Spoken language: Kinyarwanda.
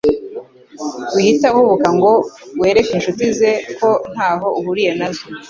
Wihita uhubuka ngo wereke inshuti ze ko ntaho uhuriye nazo